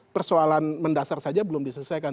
persoalan mendasar saja belum diselesaikan